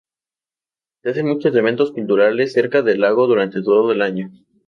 Se hacen muchos eventos culturales cerca del lago durante todo el año.